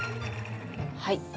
はい。